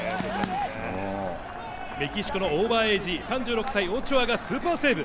メキシコのオーバーエージ３６歳、オチョアがスーパーセーブ。